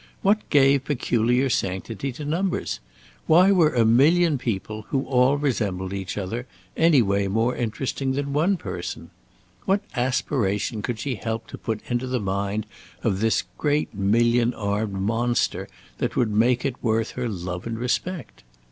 What gave peculiar sanctity to numbers? Why were a million people, who all resembled each other, any way more interesting than one person? What aspiration could she help to put into the mind of this great million armed monster that would make it worth her love or respect?